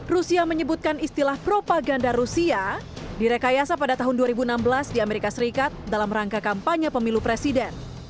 rusia menyebutkan istilah propaganda rusia direkayasa pada tahun dua ribu enam belas di amerika serikat dalam rangka kampanye pemilu presiden